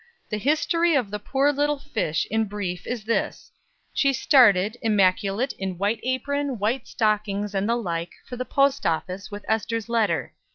"The history of the poor little fish, in brief, is this: She started, immaculate in white apron, white stockings, and the like, for the post office, with Ester's letter.